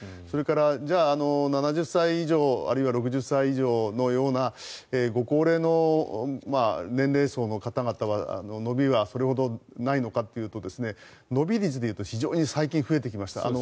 それから、じゃあ７０歳以上あるいは６０歳以上のようなご高齢の年齢層の方々は伸びはそれほどないのかというと伸び率でいうと非常に最近、増えてきました。